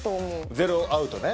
ゼロアウトね？